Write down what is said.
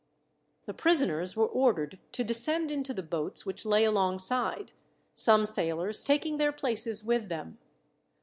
The prisoners were ordered to descend into the boats which lay alongside, some sailors taking their places with them.